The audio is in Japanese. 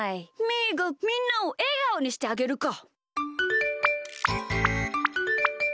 みーがみんなをえがおにしてあげるか！